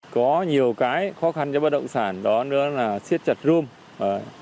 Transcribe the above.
có nhiều cái khó khăn cho bất động sản đó nữa là siết chặt rum